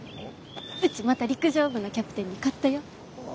うちまた陸上部のキャプテンに勝ったよ。